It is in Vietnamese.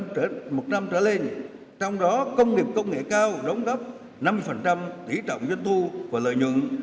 từ một mươi một năm trở lên trong đó công nghiệp công nghệ cao đóng góp năm tỷ trọng dân thu và lợi nhuận